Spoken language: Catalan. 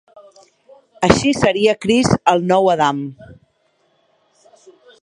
Així seria Crist el nou Adam.